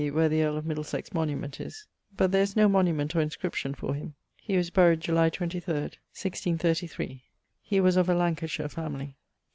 where the earl of Middlesex monument is, but there is no monument or inscription for him. He was buryed July 23, 1633. He was of a Lancashire family. Tho.